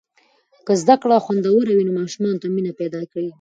که زده کړه خوندوره وي، نو ماشومانو ته مینه پیدا کیږي.